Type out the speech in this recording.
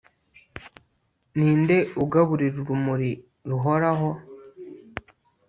Ninde ugaburira urumuri ruhoraho